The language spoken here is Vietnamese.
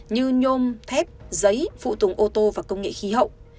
như nhôm thép giấy phụ tùng ô tô và công nghệ khí hậu